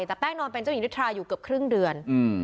แต่แป้งนอนเป็นเจ้าหญิงนิทราอยู่เกือบครึ่งเดือน